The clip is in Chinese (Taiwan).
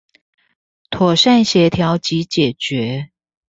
妥善協調及解決